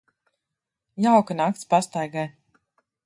Jauka nakts pastaigai.